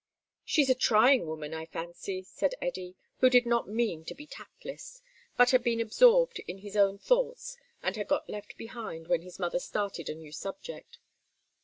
"She's a trying woman, I fancy," said Eddy, who did not mean to be tactless, but had been absorbed in his own thoughts and had got left behind when his mother started a new subject.